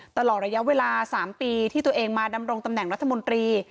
ตลอดระยะเวลา๓ปีที่ตัวเองมาดำรงตำแหน่งรัฐมนตรี